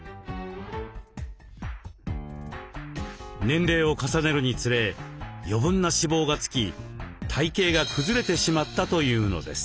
年齢を重ねるにつれ余分な脂肪がつき体形がくずれてしまったというのです。